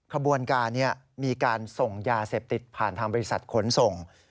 ขบวนการมีการส่งยาเสพติดผ่านทางบริษัทขนส่ง